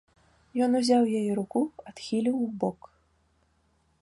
Ён узяў яе руку, адхіліў убок.